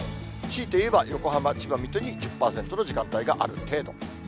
強いて言えば横浜、千葉、水戸に、１０％の時間帯がある程度。